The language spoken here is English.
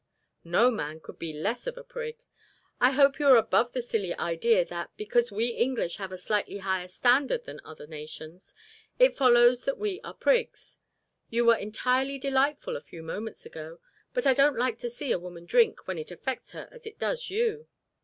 "No man could be less of a prig. I hope you are above the silly idea that, because we English have a slightly higher standard than other nations, it follows that we are prigs. You were entirely delightful a few moments ago; but I don't like to see a woman drink when it affects her as it does you."